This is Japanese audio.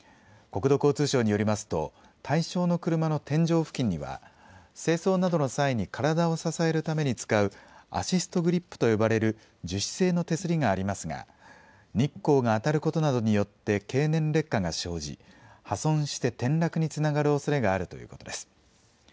国土交通省によりますと対象の車の天井付近には清掃などの際に体を支えるために使うアシストグリップと呼ばれる樹脂製の手すりがありますが日光が当たることなどによって経年劣化が生じ破損して転落につながるおそれがあるということです。